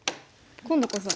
今度こそ。